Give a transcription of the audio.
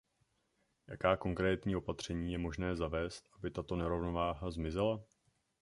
Jaká konkrétní opatření je možné zavést, aby tato nerovnováha zmizela?